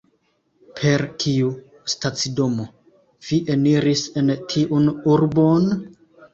Per kiu stacidomo vi eniris en tiun urbon?